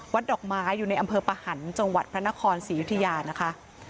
ดอกไม้อยู่ในอำเภอปะหันต์จังหวัดพระนครศรียุธยานะคะ